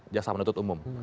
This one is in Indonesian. jaksa penutup umum